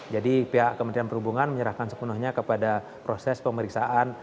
jadi pihak kementerian perhubungan menyerahkan sepenuhnya kepada proses pemeriksaan